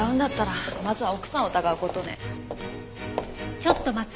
ちょっと待って。